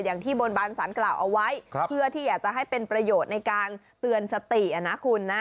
อย่างที่บนบานสารกล่าวเอาไว้เพื่อที่อยากจะให้เป็นประโยชน์ในการเตือนสตินะคุณนะ